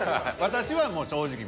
私はもう正直に。